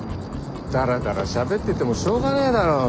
ダラダラしゃべっててもしょうがねえだろ。